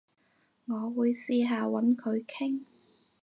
我會試下搵佢傾